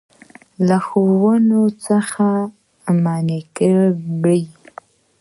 له ښورښونو څخه منع کړي.